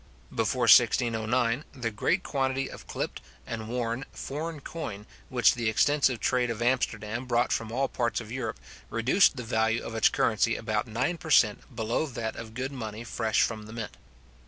Before 1609, the great quantity of clipt and worn foreign coin which the extensive trade of Amsterdam brought from all parts of Europe, reduced the value of its currency about nine per cent. below that of good money fresh from the mint.